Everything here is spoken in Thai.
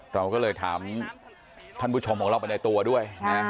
เราก็เลยถามท่านผู้ชมของเราไปในตัวด้วยนะ